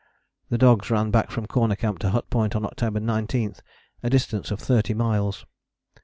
The dogs ran back from Corner Camp to Hut Point on October 19, a distance of thirty miles.